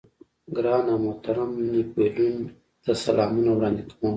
ګران او محترم نيپولېين ته سلامونه وړاندې کوم.